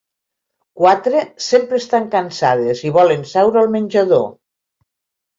Quatre sempre estan cansades i volen seure al menjador.